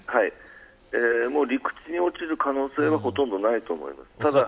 陸地に落ちる可能性はほとんどないと思います。